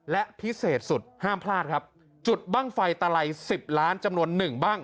และพิเศษสุดห้ามพลาดครับจุดบ้างไฟตะไลสิบล้านจำนวนหนึ่งบ้าง